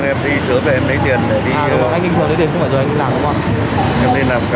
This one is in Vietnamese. em đang đi vâng em đi sửa về em lấy tiền để đi